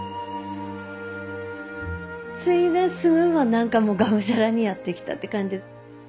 継いですぐは何かもうがむしゃらにやってきたって感じ。